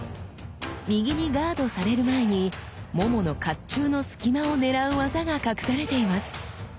右にガードされる前にももの甲冑の隙間を狙う技が隠されています。